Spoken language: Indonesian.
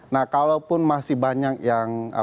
nah kalaupun masih banyak yang